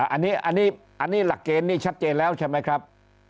อันนี้อันนี้อันนี้หลักเกณฑ์นี้ชัดเจนแล้วใช่ไหมครับ